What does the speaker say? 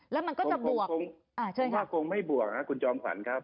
ผมว่าคงไม่บวกครับคุณจอมศัลครับ